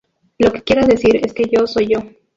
Lo que quiero decir es que yo soy yo.